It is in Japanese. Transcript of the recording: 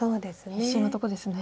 必死のとこですね。